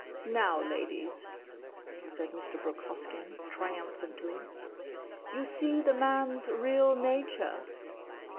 "Now, Ladies!" said Mr. Brooke Hoskyn, triumphantly, "you see the man's real nature!"